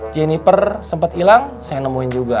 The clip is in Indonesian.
jeniper sempet hilang saya yang nemuin juga